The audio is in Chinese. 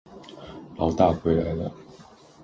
牢大回来了